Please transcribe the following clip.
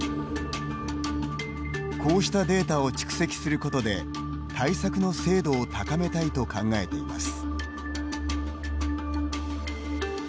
こうしたデータを蓄積することで対策の精度を高めたいと考えています。